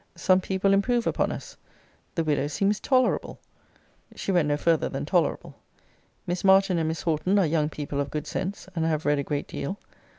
Some people improve upon us. The widow seems tolerable.' She went no farther than tolerable. 'Miss Martin and Miss Horton are young people of good sense, and have read a great deal.